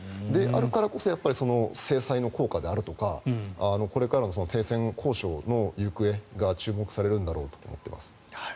であるからこそ制裁の効果であるとかこれからの停戦交渉の行方が注目されるんだろうと思ってます。